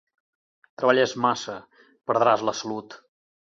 Treballes massa: perdràs la salut.